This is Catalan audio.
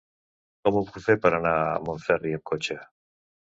Com ho puc fer per anar a Montferri amb cotxe?